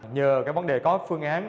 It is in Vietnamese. nhờ cái vấn đề có phương án